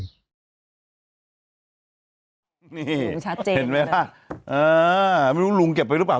นี่เห็นไหมล่ะเออไม่รู้ลุงเก็บไปหรือเปล่า